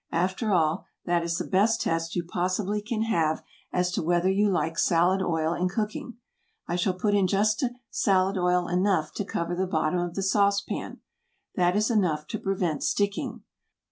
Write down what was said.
After all, that is the best test you possibly can have as to whether you like salad oil in cooking. I shall put in just salad oil enough to cover the bottom of the sauce pan. That is enough to prevent sticking.